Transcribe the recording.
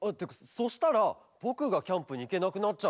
そしたらぼくがキャンプにいけなくなっちゃう。